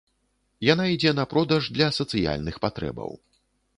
Яна ідзе на продаж для сацыяльных патрэбаў.